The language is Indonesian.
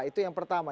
itu yang pertama